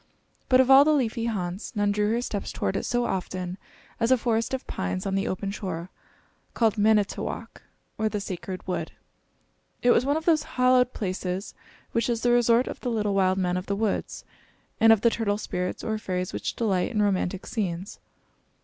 But of all the leafy haunts, none drew her steps toward it so often as a forest of pines on the open shore, called Manitowok, or the Sacred Wood. It was one of those hallowed places which is the resort of the little wild men of the woods, and of the turtle spirits or fairies which delight in romantic scenes.